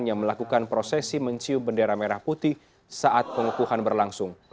yang melakukan prosesi mencium bendera merah putih saat pengukuhan berlangsung